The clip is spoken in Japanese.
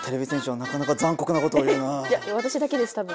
いや私だけですたぶん。